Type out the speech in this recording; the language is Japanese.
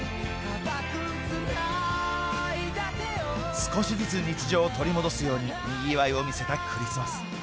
少しずつ日常を取り戻すようににぎわいを見せたクリスマス